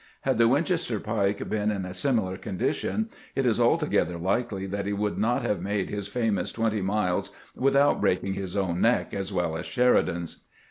Had the Winchester pike been in a similar con dition, it is altogether likely that he would not have made his famous twenty rdiles without breaking his own neck as well as Sheridan's.